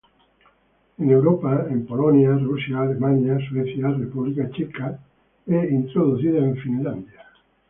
En Europa en Polonia, Rusia, Alemania, Suecia, República Checa e introducida en Finlandia.